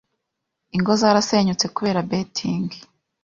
Ingo zarasenyutse kubera Betting